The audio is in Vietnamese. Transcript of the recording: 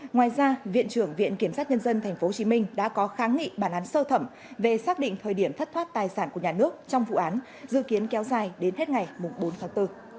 ngoài ra viện trưởng viện kiểm sát nhân dân tp hcm đã có kháng nghị bản án sơ thẩm về xác định thời điểm thất thoát tài sản của nhà nước trong vụ án dự kiến kéo dài đến hết ngày bốn tháng bốn